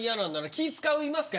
気ぃ使いますか？